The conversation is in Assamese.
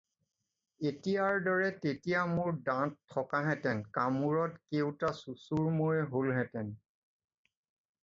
এতিয়াৰ দৰে তেতিয়া মোৰ দাঁত থকাহেঁতেন কামোৰত কেউটা চূচূৰ্মৈ হ'লহেঁতেন।